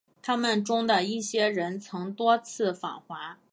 他们中的一些人曾多次访华。